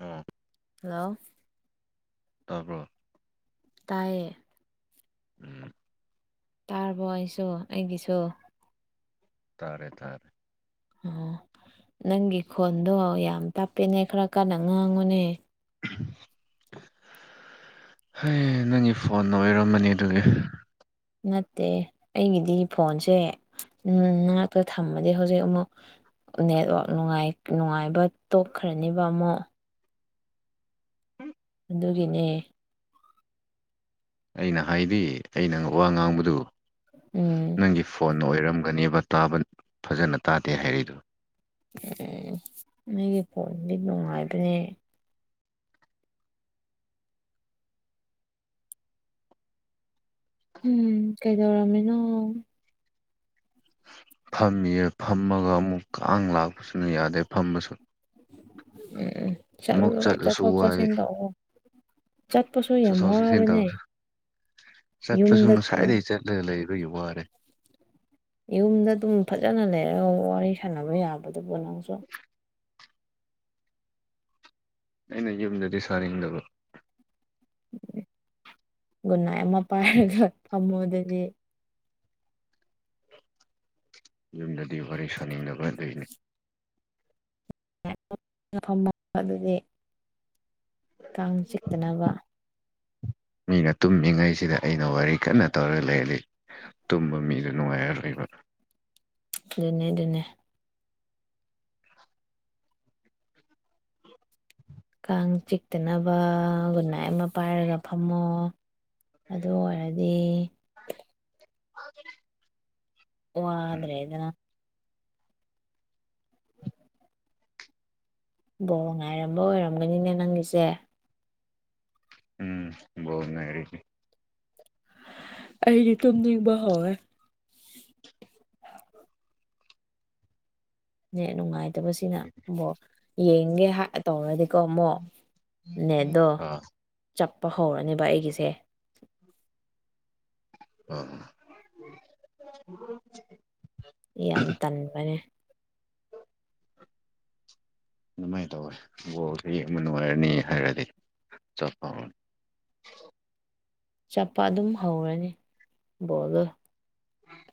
ꯎꯝ hello ꯇꯥꯕ꯭ꯔꯣ ꯇꯥꯏꯌꯦ ꯎꯝ ꯇꯥꯔꯕꯣ ꯑꯩꯁꯨ ꯑꯩꯒꯤꯁꯨ ꯇꯥꯔꯦ ꯇꯥꯔꯦ ꯑꯣ ꯅꯪꯒꯤ ꯈꯣꯟꯗꯣ ꯌꯥꯝ ꯇꯥꯞꯄꯦꯅꯦ ꯈꯔ ꯀꯟꯅ ꯉꯥꯡꯉꯨꯅꯦ ꯍꯩ ꯅꯪꯒꯤ ꯐꯣꯟ ꯑꯣꯏꯔꯝꯃꯅꯤ ꯑꯗꯨꯒꯤ ꯅꯠꯇꯦ ꯑꯩꯒꯤꯗꯤ ꯐꯣꯟꯁꯦ ꯅꯅꯥꯛꯇ ꯊꯝꯃꯗꯤ ꯍꯧꯖꯤꯛ ꯑꯃꯨꯛ ꯅꯦꯠꯋꯥꯛ ꯅꯨꯡꯉꯥꯏ ꯅꯨꯡꯉꯥꯏꯕ ꯇꯣꯛꯈ꯭ꯔꯅ‌ꯦꯕ ꯑꯃꯛ ꯑꯗꯨꯒꯤꯅꯦ ꯑꯩꯅ ꯍꯥꯏꯗꯤ ꯑꯩꯅ ꯋꯥ ꯉꯥꯡꯕꯗꯨ ꯎꯝ ꯅꯪꯒꯤ ꯐꯣꯟ ꯑꯣꯏꯔꯝꯒꯅꯦꯕ ꯇꯥꯕ ꯐꯖꯅ ꯇꯥꯗꯦ ꯍꯥꯏꯔꯛꯏꯗꯨ ꯑꯦ ꯑꯩꯒꯤ ꯐꯣꯟꯗꯤ ꯅꯨꯡꯉꯥꯏꯕꯅꯦ ꯎꯝ ꯀꯩꯗꯧꯔꯝꯃꯤꯅꯣ ꯐꯝꯃꯤꯌꯦ ꯐꯝꯃꯒ ꯑꯃꯨꯛ ꯀꯥꯡ ꯂꯥꯛꯄꯁꯤꯅ ꯌꯥꯗꯦ ꯐꯝꯃꯁꯨ ꯎꯝ ꯆꯠꯂꯣ ꯆꯠꯂꯁꯨ ꯆꯠꯊꯣꯛ ꯋꯥꯔꯦ ꯆꯠꯁꯤꯟ ꯇꯧꯑꯣ ꯆꯠꯄꯁꯨ ꯌꯥꯝ ꯆꯠꯊꯣꯛ ꯆꯠꯁꯤꯟ ꯋꯥꯕꯅꯦ ꯇꯧꯔꯁꯨ ꯆꯠꯄꯁꯨ ꯌꯨꯝꯗ ꯉꯁꯥꯏꯗꯒꯤꯩ ꯆꯠꯂꯒ ꯂꯩꯕꯒꯤ ꯋꯥꯔꯦ ꯌꯨꯝꯗ ꯑꯗꯨꯝ ꯐꯖꯅ ꯂꯩꯔꯒ ꯋꯥꯔꯤ ꯁꯥꯟꯅꯕ ꯌꯥꯕꯗꯨꯕꯨ ꯅꯪꯁꯨ ꯑꯩꯅ ꯌꯨꯝꯗꯗꯤ ꯁꯥꯅꯤꯡꯗꯕ ꯒꯨꯟꯅꯥꯏ ꯑꯃ ꯄꯥꯏꯔꯒ ꯐꯝꯃꯨꯗꯗꯤ ꯌꯨꯝꯗꯗꯤ ꯋꯥꯔꯤ ꯁꯥꯅꯤꯡꯗꯕ ꯑꯗꯨꯣꯏꯅꯤ ꯐ ꯑꯗꯨꯗꯤ ꯀꯥꯡ ꯆꯤꯛꯇꯅꯕ ꯃꯤꯅ ꯇꯨꯝꯂꯤꯉꯩꯁꯤꯗ ꯑꯩꯅ ꯋꯥꯔꯤ ꯀꯟꯅ ꯇꯧꯔꯒ ꯂꯩꯔꯜꯂꯤ ꯇꯨꯝꯕ ꯃꯤꯗ ꯅꯨꯡꯉꯥꯏꯔ ꯂꯩꯕ ꯑꯗꯨꯅꯦ ꯑꯗꯨꯅꯦ ꯀꯥꯡ ꯆꯤꯛꯇꯅꯕ ꯒꯟꯅꯥꯏ ꯑꯃ ꯄꯥꯏꯔꯒ ꯐꯝꯃꯣ ꯑꯗꯨ ꯑꯣꯏꯔꯗꯤ ꯑ ꯑꯗꯨ ꯋꯥ ꯑꯗꯨ꯭ꯔꯦ ꯑꯗꯨꯅ ꯕꯣ ꯉꯥꯏꯔꯝꯕ ꯑꯣꯏꯔꯝꯒꯅꯤꯅꯦ ꯅꯪꯒꯤꯁꯦ ꯎꯝ ꯣꯅꯔꯤ ꯑꯩꯗꯤ ꯇꯨꯝꯅꯤꯡꯕ ꯍꯧꯥꯎꯋꯦ ꯅ ꯅꯨꯡꯉꯥꯏꯇꯕꯁꯤꯅ ꯕꯣꯔ ꯌꯦꯡꯒꯦ ꯇꯧꯔꯗꯤꯀꯣ ꯑꯃꯛ ꯅꯗꯣ ꯑꯥ ꯆꯞꯄ ꯍꯧꯔꯅꯦꯕ ꯑꯩꯒꯤꯁꯦ ꯑ ꯎꯝ ꯌꯥꯝ ꯇꯟꯕꯅꯦ ꯑꯗꯨꯃꯥꯏꯅ ꯇꯧꯋꯦ ꯕꯣꯔꯁꯤ ꯌꯦꯡꯃꯟ ꯑꯣꯏꯔꯅꯤ ꯍꯥꯏꯔꯗꯤ ꯆꯞ ꯐꯥꯎꯔꯅꯤ ꯆꯞꯄ ꯑꯗꯨꯝ ꯍꯧꯔꯅꯤ ꯕꯣꯜꯗ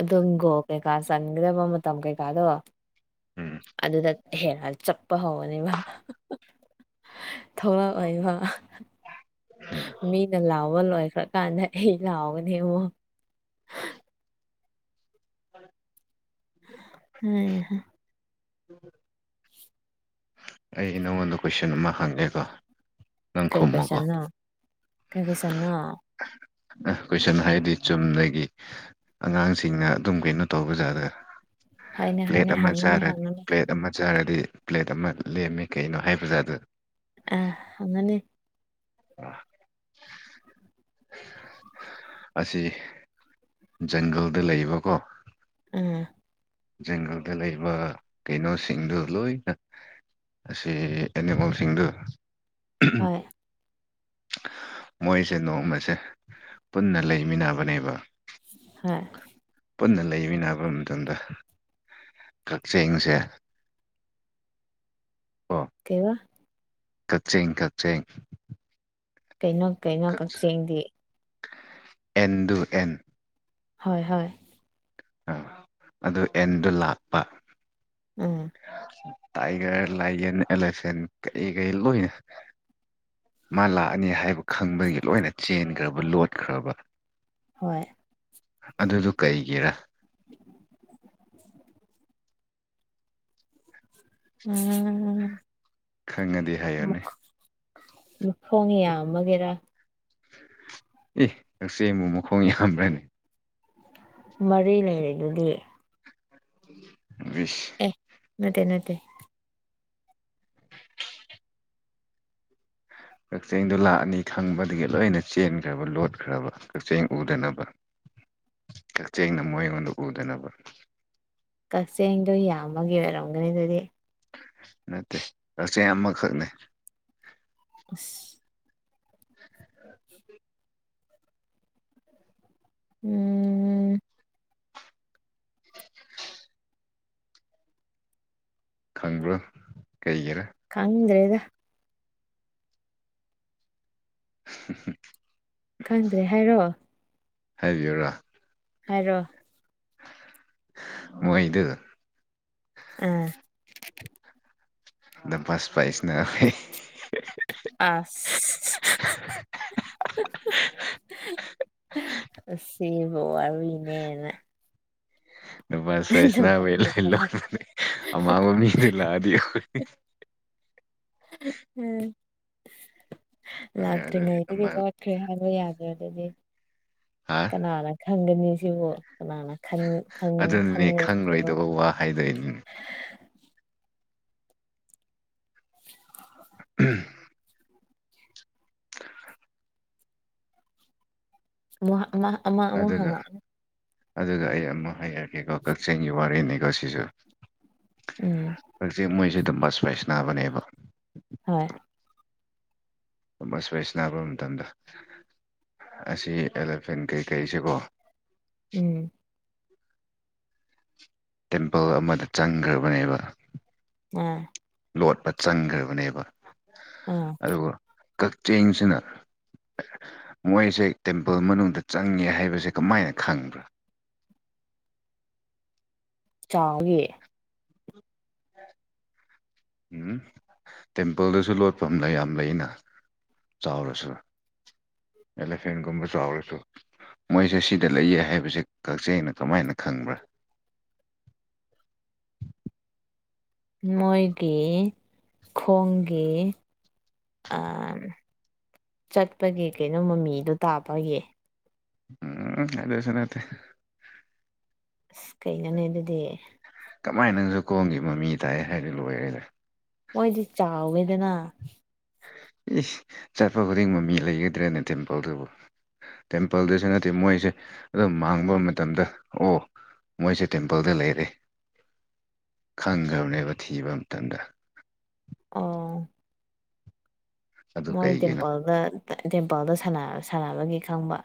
ꯑꯗꯨꯝꯒꯣ ꯀꯩꯀꯥ ꯆꯟꯒꯗꯕ ꯃꯇꯝ ꯀꯩꯀꯥꯗꯣ ꯎꯝ ꯑꯗꯨꯗ ꯍꯦꯔꯥꯜ ꯆꯠꯄ ꯍꯧꯧꯕꯅꯦꯕ ꯊꯧꯔꯥꯛ ꯑꯣꯏꯕ ꯃꯤꯅ ꯂꯥꯎꯕ ꯂꯣꯏꯈ꯭ꯔꯀꯥꯟꯗ ꯑꯩ ꯂꯥꯎꯒꯅꯦꯕ ꯎ [inaudible] ꯎꯝ ꯎꯝ ꯑꯩ ꯅꯪꯉꯣꯟꯗ ꯀꯣꯏꯁꯟ ꯑꯃ ꯍꯪꯉꯦꯀꯣ ꯀꯩ ꯀꯩꯁꯦꯜꯅ ꯀꯥꯏ ꯀꯩꯁꯅꯥ ꯑ ꯀꯣꯏꯁꯟ ꯍꯥꯏꯗꯤ ꯆꯨꯝꯅꯗꯒꯤ ꯑꯉꯥꯡꯁꯤꯡꯅ ꯑꯗꯨꯝ ꯀꯩꯅꯣ ꯇꯧꯕꯖꯥꯗ꯭ꯔ ꯍꯥꯏꯅꯦ ꯄ꯭ꯂꯦꯠ ꯍꯥꯏꯅꯦ ꯑꯃ ꯍꯪꯉꯅꯤ ꯆꯥꯔꯗꯤ ꯍꯪꯉꯅꯤ ꯄ꯭ꯂꯦꯠ ꯑꯃ ꯆꯥꯔꯗꯤ ꯄ꯭ꯂꯦꯠ ꯑꯃ ꯂꯦꯝꯃꯦ ꯀꯩꯅꯣ ꯍꯥꯏꯕꯖꯥ ꯑꯗꯨꯗ ꯑ ꯑꯉꯅꯤ ꯑ ꯑꯁꯤ ꯖꯪꯒꯜꯗ ꯂꯩꯕꯀꯣ ꯎꯝ ꯖꯪꯒꯜꯗ ꯂꯩꯕ ꯀꯩꯅꯣꯁꯤꯡꯗꯨ ꯂꯣꯏꯅ ꯑꯁꯤ ꯑꯦꯅꯤꯃꯦꯜꯁꯤꯡꯗꯨ ꯍꯣꯏ ꯃꯣꯏꯁꯦ ꯅꯣꯡꯃꯁꯦ ꯄꯨꯟꯅ ꯂꯩꯃꯤꯟꯅꯕꯅꯦꯕ ꯍꯥ ꯄꯨꯟꯅ ꯂꯩꯃꯤꯅ ꯍꯥꯏꯕ ꯃꯇꯝꯗ ꯀꯛꯆꯦꯡꯁꯦ ꯑꯥ ꯀꯩꯕ ꯀꯛꯆꯦꯡ ꯀꯛꯆꯦꯡ ꯀꯩꯅꯣ ꯀꯩꯅꯣ ꯀꯛꯆꯦꯡꯗꯤ ꯑꯦꯟꯗꯨ ꯑꯦꯟ ꯍꯣꯏ ꯍꯣꯏ ꯑꯥ ꯑꯗꯨ ꯑꯦꯟꯗꯣ ꯂꯥꯛꯄ ꯎꯝ ꯇꯥꯏꯒꯔ ꯂꯥꯏꯌꯟ ꯑꯦꯂꯤꯐꯦꯟ ꯀꯩ ꯀꯩ ꯂꯣꯏꯅ ꯃꯥ ꯂꯥꯛꯑꯅꯤ ꯍꯥꯏꯕ ꯈꯪꯕꯗꯒꯤ ꯂꯣꯏꯅ ꯆꯦꯟꯈ꯭ꯔꯕ ꯂꯣꯠꯈ꯭ꯔꯕ ꯍꯣꯏ ꯑꯗꯨꯗꯣ ꯀꯩꯒꯤꯔꯥ ꯎꯝ ꯈꯪꯉꯗꯤ ꯍꯥꯏꯌꯨꯅꯦ ꯃꯈꯣꯡ ꯌꯥꯝꯕꯒꯤꯔꯥ ꯑꯦ ꯀꯛꯆꯦꯡꯕꯨ ꯃꯈꯣꯡ ꯌꯥꯝꯕ꯭ꯔꯅꯦ ꯃꯔꯤ ꯂꯩꯔꯤꯗꯨꯗꯤ ꯕꯤꯁ ꯑꯦ ꯅꯠꯇꯦ ꯅꯠꯇꯦ ꯀꯛꯆꯦꯡꯗꯣ ꯂꯥꯛꯑꯅꯤ ꯈꯪꯕꯗꯒꯤ ꯂꯣꯏꯅ ꯆꯦꯟꯈ꯭ꯔꯕ ꯂꯣꯠꯈ꯭ꯔꯕ ꯀꯛꯆꯦꯡ ꯎꯗꯅꯕ ꯀꯛꯆꯦꯡꯅ ꯃꯣꯏ ꯑꯩꯉꯣꯟꯗ ꯎꯗꯅꯕ ꯀꯛꯆꯦꯡꯗꯣ ꯌꯥꯝꯕꯒꯤ ꯑꯣꯏꯔꯝꯒꯅꯤ ꯑꯗꯨꯗꯤ ꯅꯠꯇꯦ ꯀꯛꯆꯦꯡ ꯑꯃ ꯈꯛꯅꯦ [unintelligible] [inaudible] ꯎꯝ ꯈꯪꯕ꯭ꯔꯣ ꯀꯩꯒꯤꯔꯥ ꯈꯪꯗ꯭ꯔꯦꯗ [inaudible] ꯈꯪꯗꯦ ꯍꯥꯏꯔꯣ ꯍꯥꯏꯕꯤꯌꯨꯔꯥ ꯍꯥꯏꯔꯣ ꯃꯣꯏꯗꯨ ꯑꯥ [unintelligible] [unintelligible] ꯑꯁꯤꯕꯣ ꯋꯥꯔꯤꯅꯦꯅ [unintelligible] ꯍꯣꯏ ꯑꯗꯨꯗꯤ ꯂꯥꯛꯇ꯭ꯔꯤꯉꯩꯗꯒꯤ ꯑꯃ ꯅꯣꯏ ꯀꯔꯤ ꯍꯥꯏꯕ ꯌꯥꯗ꯭ꯔꯦ ꯗꯗꯤ ꯑꯥ ꯀꯅꯥꯅ ꯈꯪꯒꯅꯤ ꯁꯤꯕꯨ ꯀꯅꯥꯅ ꯈꯟ ꯈꯟ ꯑꯗꯨꯅꯅꯦ ꯈꯟꯂꯖꯤꯕꯨ ꯈꯪꯂꯣꯏꯗꯕ ꯋꯥ ꯍꯥꯏꯗꯣꯏꯅꯤꯅꯦ ꯎꯝ [unintelligible] ꯑꯃꯨꯛ ꯑꯃ ꯑꯃ ꯑꯃꯨꯛ ꯑꯗꯨꯒ ꯍꯉꯛꯑꯅꯤ ꯑꯗꯨꯒ ꯑꯩ ꯑꯃꯨꯛ ꯍꯥꯏꯔꯛꯀꯦꯀꯣ ꯀꯛꯆꯤꯡꯒꯤ ꯋꯥꯔꯤꯅꯤꯀꯣ ꯁꯤꯁꯨ ꯎꯝ [unintelligible] ꯍꯣꯏ ꯗꯨꯝꯕ ꯏꯁꯄꯥꯏ ꯅꯥꯕ ꯃꯇꯝꯗ ꯑꯁꯤ ꯑꯦꯂꯤꯐꯦꯟ ꯀꯩꯀꯩꯁꯦꯀꯣ ꯎꯝ ꯇꯦꯝꯄꯜ ꯑꯃꯗ ꯆꯪꯈ꯭ꯔꯕꯅꯦꯕ ꯎꯝ ꯂꯣꯠꯄ ꯆꯪꯈ꯭ꯔꯕꯅꯦꯕ ꯑꯣ ꯑꯗꯨꯒ ꯀꯛꯆꯦꯡꯁꯤꯅ ꯃꯣꯏꯁꯦ ꯇꯦꯝꯄꯜ ꯃꯅꯨꯡꯗ ꯆꯪꯉꯦ ꯍꯥꯏꯕꯁꯦ ꯀꯃꯥꯏꯅ ꯈꯪꯕ꯭ꯔꯥ ꯆꯥꯎꯋꯦ ꯎꯝ ꯇꯦꯝꯄꯜꯗꯁꯨ ꯂꯣꯠꯐꯝꯅ ꯌꯥꯝ ꯂꯩꯅ ꯆꯥꯎꯔꯁꯨ ꯑꯦꯂꯤꯐꯦꯟꯒꯨꯝꯕꯆꯥꯎꯔꯁꯨ ꯃꯣꯏꯁꯦ ꯁꯤꯗ ꯂꯩꯌꯦ ꯍꯥꯏꯕꯁꯦ ꯀꯛꯆꯦꯡꯅ ꯀꯃꯥꯏꯅ ꯈꯪꯕ꯭ꯔꯥ ꯃꯣꯏꯒꯤ ꯈꯣꯡꯒꯤ ꯑꯥ ꯆꯠꯄꯒꯤ ꯀꯩꯅꯣ ꯃꯃꯤꯗꯣ ꯇꯥꯕꯒꯤ ꯎꯝ ꯑꯗꯨꯁꯨ ꯅꯠꯇꯦ ꯑꯁ ꯀꯩꯅꯣꯅꯦ ꯑꯗꯨꯗꯤ ꯀꯃꯥꯏ ꯅꯪꯁꯨ ꯈꯣꯡꯒꯤ ꯃꯃꯤ ꯇꯥꯏ ꯍꯥꯏꯗꯤ ꯂꯣꯏꯔꯦꯅꯦ ꯃꯣꯏꯗꯤ ꯆꯥꯎꯋꯦꯗꯅ ꯏꯁ ꯆꯠꯄ ꯈꯨꯗꯤꯡ ꯃꯃꯤ ꯂꯩꯒꯗ꯭ꯔꯦꯅꯦ ꯊꯤꯟꯄꯜꯗꯨꯕꯨ ꯇꯦꯝꯄꯜꯗꯁꯨ ꯅꯠꯇꯦ ꯃꯣꯏꯁꯦ ꯑꯗꯨꯝ ꯃꯥꯡꯕ ꯃꯇꯝꯗ ꯑꯣ ꯃꯣꯏꯁꯦ ꯇꯦꯝꯄꯜꯗ ꯂꯩꯔꯦ ꯈꯪꯈ꯭ꯔꯕꯅꯦꯕ ꯊꯤꯕ ꯃꯇꯝꯗ ꯑꯣ ꯑꯗꯨ ꯃꯣꯏ ꯀꯩꯒꯤꯅꯣ ꯇꯦꯝꯄꯜꯗ ꯇꯦꯝꯄꯜꯗ ꯁꯥꯟꯅ ꯁꯥꯟꯅꯕꯒꯤ ꯈꯪꯕ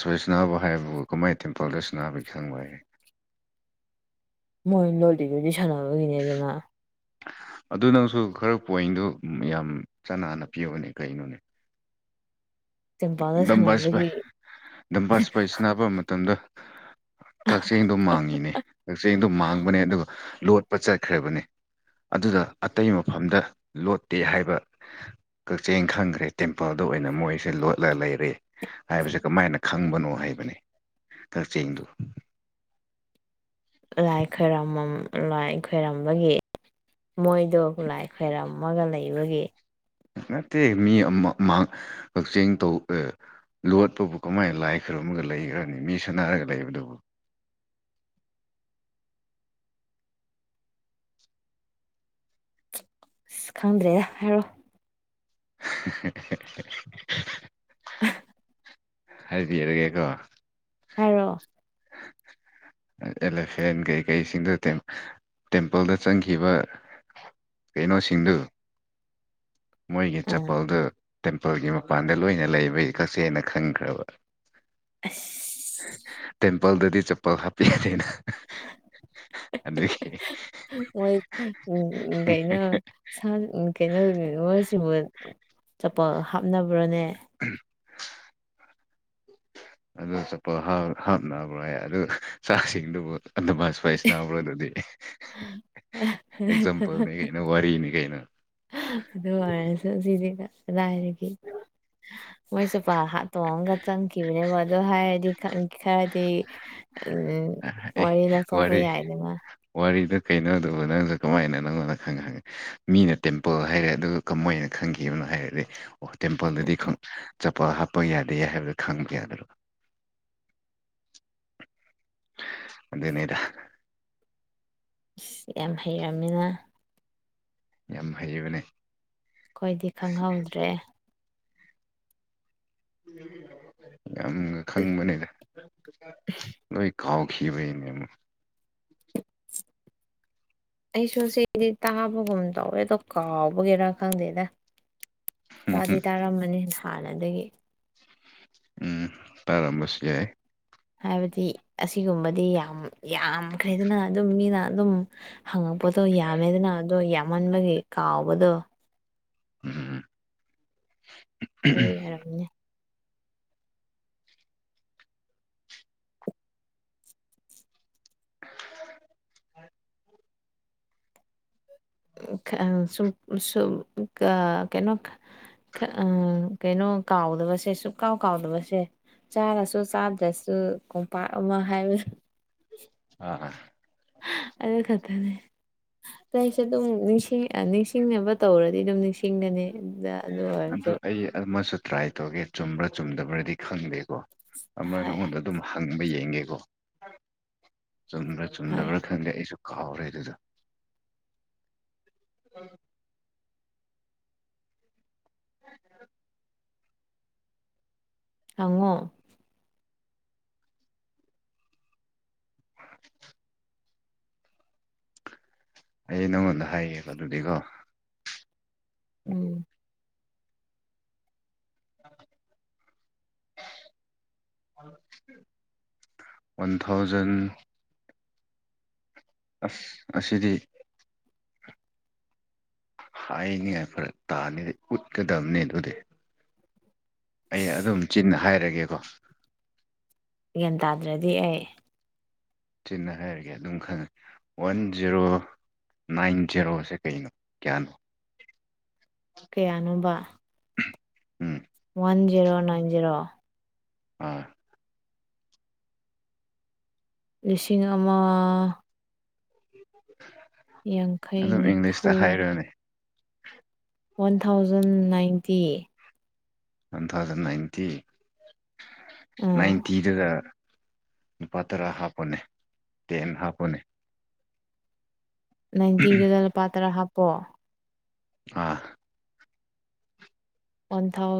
[unintelligible] ꯍꯥꯏꯕꯔꯣ ꯀꯨꯝꯃꯥꯏ ꯇꯦꯝꯄꯜꯗꯁꯤꯅꯅꯥꯕ ꯈꯪꯕꯌꯦ ꯃꯣꯏ ꯂꯣꯂꯤꯗꯨꯗꯤ ꯁꯥꯟꯅꯕꯒꯤꯅꯦꯗꯅ ꯑꯗꯨ ꯅꯪꯁꯨ ꯈꯔ ꯄꯣꯏꯟꯗꯨ ꯌꯥꯝ ꯆꯅꯥꯟꯅ ꯄꯤꯌꯣꯅꯦ ꯀꯩꯅꯣꯅꯦ ꯇꯦꯝꯄꯜꯗ ꯁꯥꯟꯅꯕꯒꯤ ꯗꯝꯕꯥꯁꯤꯄꯥꯏ ꯗꯝꯕꯥꯁꯤꯄꯥꯏ ꯁꯥꯟꯅꯕ ꯃꯇꯝꯗ ꯀꯛꯆꯤꯡꯗꯣ ꯃꯥꯡꯉꯤꯅꯦ ꯀꯛꯆꯤꯡꯗꯣ ꯃꯥꯡꯕꯅꯦ ꯑꯗꯨꯒ ꯂꯣꯠꯄ ꯆꯠꯈ꯭ꯔꯕꯅꯦ ꯑꯗꯨꯗ ꯑꯇꯩ ꯃꯐꯝꯗ ꯂꯣꯠꯇꯦ ꯍꯥꯏꯕ ꯀꯛꯆꯤꯡ ꯈꯪꯈ꯭ꯔꯦ ꯇꯦꯝꯄꯜꯗ ꯑꯣꯏꯅ ꯃꯣꯏꯁꯦ ꯂꯣꯠ ꯂ ꯂꯩꯔꯦ ꯍꯥꯏꯕꯁꯦ ꯀꯃꯥꯏꯅ ꯈꯪꯕꯅꯣ ꯍꯥꯏꯕꯅꯦ ꯀꯛꯆꯤꯡꯗꯨ ꯂꯥꯏ ꯈꯣꯏꯔꯃꯝ ꯂꯥꯏ ꯈꯣꯏꯔꯝꯕꯒꯤ ꯃꯣꯏꯗꯣ ꯂꯥꯏ ꯈꯣꯏꯔꯝꯃꯒ ꯂꯩꯕꯒꯤ ꯅꯠꯇꯦ ꯃꯤ ꯑꯃ ꯃꯥꯡ ꯀꯛꯆꯦꯡ ꯇꯧ ꯑꯦ ꯂꯣꯠꯄꯕꯨ ꯀꯃꯥꯏꯅ ꯂꯥꯏ ꯈꯣꯏꯔꯝꯃꯒ ꯂꯩꯕ꯭ꯔꯅꯦ ꯃꯤ ꯁꯥꯟꯅꯔꯒ ꯂꯩꯕꯗꯨꯕꯨ ꯑꯁ ꯈꯪꯗ꯭ꯔꯦ ꯍꯥꯏꯔꯣ [unintelligible] [unintelligible] ꯍꯥꯏꯕꯤꯔꯒꯦꯀꯣ ꯍꯥꯏꯔꯣ ꯑꯦꯂꯐꯦꯟ ꯀꯩꯀꯩꯁꯤꯡꯗꯣ ꯇꯦꯝ ꯇꯦꯝꯄꯜꯗ ꯆꯪꯈꯤꯕ ꯀꯩꯅꯣ ꯁꯤꯡꯗꯨ ꯃꯣꯏꯒꯤ ꯑꯥ ꯆꯄꯜꯗꯨ ꯇꯦꯝꯄꯜꯒꯤ ꯃꯄꯥꯟꯗ ꯂꯣꯏꯅ ꯂꯩꯕꯩ ꯀꯛꯆꯦꯡꯅ ꯈꯪꯈ꯭ꯔꯕ ꯑꯁ ꯇꯦꯝꯄꯜꯗꯗꯤ ꯆꯞꯄꯜ ꯍꯥꯞꯄꯤꯗꯦꯅ ꯑꯗꯨꯒꯤ ꯃꯣꯏ ꯒꯩꯅꯣ ꯁꯥ ꯀꯩꯅꯣ ꯃꯣꯏꯁꯤꯕꯨ ꯆꯄꯜ ꯍꯥꯞꯅꯕ꯭ꯔꯣꯅꯦ [unintelligible] ꯑꯗꯨ ꯆꯠꯄꯜ ꯍꯥꯞꯅꯕ꯭ꯔꯥꯑ ꯑꯗꯨ ꯆꯥꯛꯁꯤꯡꯗꯨꯕꯨ ꯑꯗꯨꯃꯁꯨ ꯁ꯭ꯋꯥꯏꯁ ꯅꯥꯕ꯭ꯔꯣ ꯑꯗꯨꯗꯤ ꯑꯦꯛꯖꯥꯝꯄꯜꯅꯤ ꯀꯩꯅꯣ ꯋꯥꯔꯤꯅꯤ ꯀꯩꯅꯣ ꯑꯗꯨ ꯑꯣꯏꯔꯁꯨ ꯁꯤꯗꯤ ꯀꯗꯥꯏꯗꯒꯤ ꯃꯣꯏꯁꯨ ꯄꯍꯥ ꯇꯣꯡꯉꯒ ꯆꯪꯈꯤꯕꯅꯦꯕ ꯑꯗꯨ ꯍꯥꯏꯔꯗꯤ ꯈꯔꯗꯤ ꯎ ꯑꯦ ꯋꯥꯔꯤ ꯂꯧꯊꯣꯛꯄ ꯋꯥꯔꯤ ꯌꯥꯏꯗꯅ ꯋꯥꯔꯤꯗꯨ ꯀꯩꯅꯣꯗꯨꯕꯨ ꯅꯪꯁꯨ ꯀꯃꯥꯏꯅ ꯅꯪꯉꯣꯡꯗ ꯈꯪꯉ ꯃꯤꯅ ꯇꯦꯝꯄꯜ ꯍꯥꯏꯔꯦ ꯑꯗꯨꯒ ꯃꫭꯏꯅ ꯈꯪꯈꯤꯕꯅꯣ ꯍꯥꯏꯔꯛꯑꯦ ꯑꯣ ꯇꯦꯝꯄꯜꯗꯗꯤ ꯆꯄꯜ ꯍꯥꯞꯄ ꯌꯥꯗꯦ ꯍꯥꯏꯕꯗꯣ ꯈꯪꯗꯦ ꯑꯗꯨ ꯑꯗꯨꯅꯦꯗ ꯌꯥꯝ ꯍꯩꯔꯝꯃꯤꯅ ꯌꯥꯝ ꯍꯩꯕꯅꯦ ꯑꯩꯈꯣꯏꯗꯤ ꯈꯪꯍꯧꯗ꯭ꯔꯦ ꯌꯥꯝꯅ ꯈꯪꯕꯅꯤꯗ ꯂꯣꯏ ꯀꯥꯎ ꯈꯤꯕꯩꯅꯦ ꯑꯃꯨꯛ ꯑꯩꯁꯨ ꯁꯤꯗꯤ ꯇꯥꯕꯒꯨꯝ ꯇꯧꯋꯦ ꯑꯗꯣ ꯀꯥꯎꯕꯒꯤꯔꯥ ꯈꯪꯗꯦꯗ ꯇꯥꯗꯤ ꯇꯥꯔꯝꯃꯅꯤ ꯍꯥꯟꯅꯗꯒꯤ ꯎꯝ ꯇꯥꯔꯝꯕꯁꯨ ꯌꯥꯏ ꯍꯥꯏꯕꯗꯤ ꯑꯁꯤꯒꯨꯝꯕꯗꯤ ꯌꯥꯝ ꯌꯥꯝꯈ꯭ꯔꯦꯗꯅ ꯑꯗꯨꯝ ꯃꯤꯅ ꯑꯗꯨꯝ ꯍꯪꯉꯛꯄꯗꯣ ꯌꯥꯝꯃꯦꯗꯅ ꯑꯗꯣ ꯌꯥꯝꯃꯟꯕꯒꯤ ꯀꯥꯎꯕꯗꯣ ꯎꯝ ꯑꯗꯨꯒꯤ ꯌꯥꯔꯝꯅꯦ [inaudible] [unintelligible] ꯁꯨꯝ ꯁꯨꯝ ꯑ ꯀꯩꯅꯣ [unintelligible] ꯑꯥ ꯀꯩꯅꯣ ꯀꯥꯎꯗꯕꯁꯦ ꯁꯨꯛ ꯀꯥꯎ ꯀꯥꯎꯗꯕꯁꯦ ꯆꯥꯔꯁꯨ ꯆꯥꯗ꯭ꯔꯁꯨ ꯀꯣꯝꯄꯥꯛ ꯑꯃ ꯍꯥꯏꯕ ꯑꯥ ꯑꯗꯨ ꯈꯠꯇꯅꯦ ꯑꯩꯁꯦ ꯑꯗꯨꯝ ꯅꯤꯡꯁꯤꯡ ꯅꯤꯡꯁꯤꯡꯅꯕ ꯇꯧꯔꯗꯤ ꯑꯗꯨꯝ ꯅꯤꯡꯁꯤꯡꯒꯅꯤ ꯏꯗ ꯑꯗꯨ ꯑꯗꯨ ꯑꯣꯏꯔꯁꯨ ꯑꯩ ꯑꯃꯁꯨ ꯇ꯭ꯔꯥꯏ ꯇꯧꯒꯦ ꯆꯨꯝꯕ꯭ꯔꯥ ꯆꯨꯝꯗꯕ꯭ꯔꯗꯤ ꯈꯪꯗꯦꯀꯣ ꯑꯃ ꯍꯣꯏ ꯅꯪꯉꯣꯟꯗ ꯑꯗꯨꯝ ꯍꯪꯕ ꯌꯦꯡꯉꯀꯣ ꯆꯨꯝꯕꯔ ꯍꯣꯏ ꯆꯨꯝꯗꯕꯔ ꯈꯪꯗꯦ ꯑꯩꯁꯨ ꯀꯥꯎꯔꯦ ꯑꯗꯨꯗꫭ ꯍꯪꯉꯣ ꯑꯩ ꯅꯪꯉꯣꯟꯗ ꯍꯥꯏꯌꯦꯕ ꯑꯗꯨꯗꯤꯀꯣ ꯎꯝ [inaudible] ꯋꯥꯟ ꯊꯥꯎꯖꯟ ꯑꯁ ꯑꯁꯤꯗꯤ ꯍꯥꯏꯅꯤꯉꯥꯏ ꯐꯔꯛ ꯇꯥꯅꯤꯗꯤ ꯎꯠꯀꯗꯕꯅꯤ ꯑꯗꯨꯗꯤ ꯑꯩ ꯑꯗꯨꯝ ꯆꯤꯟꯅ ꯍꯥꯏꯔꯒꯦꯀꯣ ꯒ꯭ꯌꯥꯟ ꯇꯥꯗ꯭ꯔꯗꯤ ꯑꯩ ꯆꯤꯟꯅ ꯍꯥꯏꯔꯒꯦ ꯑꯗꯨꯝ ꯈꯪꯉꯅꯤ ꯋꯥꯟ ꯖꯦꯔꯣ ꯅꯥꯏꯟ ꯖꯦꯔꯣꯁꯦ ꯀꯩꯅꯣ ꯀꯌꯥꯅꯣ ꯀꯌꯥꯅꯣꯕ ꯎꯝ ꯋꯥꯟ ꯖꯦꯔꯣ ꯅꯥꯏꯟ ꯖꯦꯔꯣ ꯑꯥ ꯂꯤꯁꯤꯡ ꯑꯃ [unintelligible] ꯌꯥꯡꯈꯩ ꯑꯗꯨꯝ ꯅꯤꯐꯨ ꯏꯪꯂꯤꯁꯇ ꯍꯥꯏꯔꯣꯅꯦ one thousand ninety one thousand ninety ꯑꯥ ꯅꯥꯏꯟꯇꯤꯗꯨꯗꯥ ꯂꯨꯄꯥ ꯇꯔꯥ ꯍꯥꯞꯄꫭꯅꯦ ꯇꯦꯟ ꯍꯥꯞꯄꫭꯅꯦ ꯅꯥꯏꯟꯇꯤꯗꯨꯗ ꯂꯨꯄꯥ ꯇꯔꯥ ꯍꯥꯞꯄꯣ ꯑꯥ ꯄꯟꯊꯧ